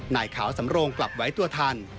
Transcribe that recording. นายขาวสำโรงกลับไว้ตัวทัน